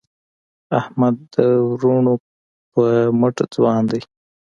احمد د وروڼو په مټ ځوان دی.